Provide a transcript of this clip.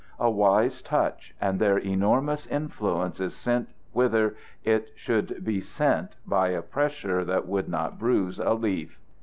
A wise touch, and their enormous influence is sent whither it should be sent by a pressure that would not bruise a leaf.